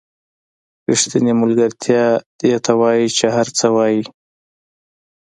ریښتینې ملګرتیا دې ته وایي چې هر څه وایئ.